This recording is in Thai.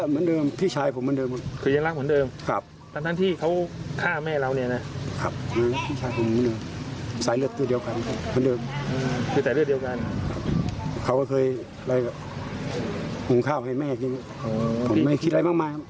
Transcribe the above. ผมอยากเคล็ดแก่มากไปกอดแก่ฉันหน่อยผมไม่มีอะไรครับไม่มีไม่มี